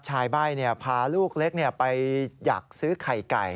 ใบ้พาลูกเล็กไปอยากซื้อไข่ไก่